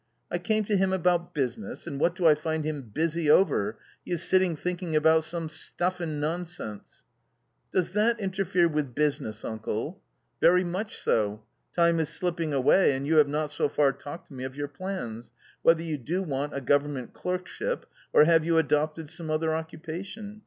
I came to him about business, and what do I find him busy over, he is sitting thinking about some stuff and non sense !"" Does that interfere with business, uncle ?"" Very much so. Time is slipping away, and you have not so far talked to me of your plans ; whether you do want a government clerkship or have you adopted some other occupation